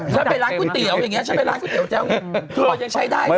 ถ้าไปรางกุ๋เตี๋ยวอย่างเนี้ยใช้ได้